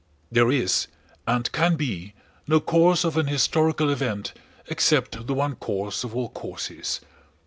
There is, and can be, no cause of an historical event except the one cause of all causes.